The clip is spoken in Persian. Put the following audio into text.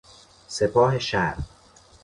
سپاه شرق